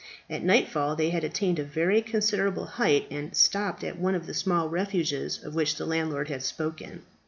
At nightfall they had attained a very considerable height, and stopped at one of the small refuges of which the landlord had spoken.